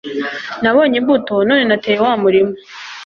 nabonye imbuto none nateye wamurima